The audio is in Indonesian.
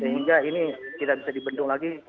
sehingga ini tidak bisa dibendung lagi